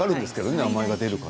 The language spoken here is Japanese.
名前が出るから。